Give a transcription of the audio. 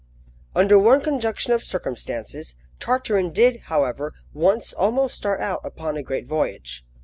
UNDER one conjunction of circumstances, Tartarin did, however, once almost start out upon a great voyage.